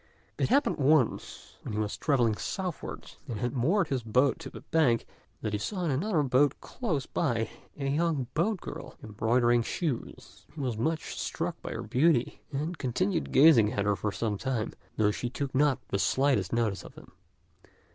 It happened once when he was travelling southwards, and had moored his boat to the bank, that he saw in another boat close by a young boat girl embroidering shoes. He was much struck by her beauty, and continued gazing at her for some time, though she took not the slightest notice of him.